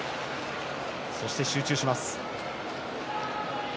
そして集中します。